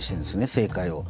正解を。